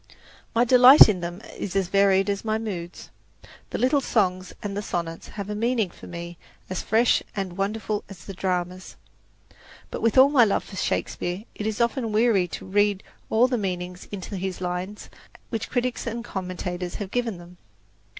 My delight in them is as varied as my moods. The little songs and the sonnets have a meaning for me as fresh and wonderful as the dramas. But, with all my love for Shakespeare, it is often weary work to read all the meanings into his lines which critics and commentators have given them.